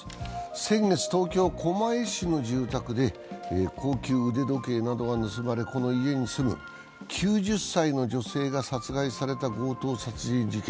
先月、東京・狛江市の住宅で高級腕時計などが盗まれ、この家に住む９０歳の女性が殺害された強盗殺害事件。